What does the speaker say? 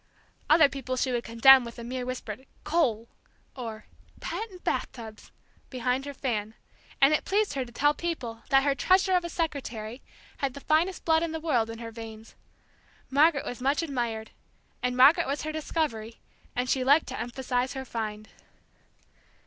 Other people she would condemn with a mere whispered "Coal!" or "Patent bath tubs!" behind her fan, and it pleased her to tell people that her treasure of a secretary had the finest blood in the world in her veins. Margaret was much admired, and Margaret was her discovery, and she liked to emphasize her find.